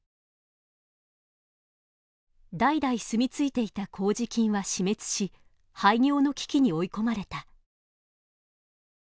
代々住み着いていた麹菌は死滅し廃業の危機に追い込まれた。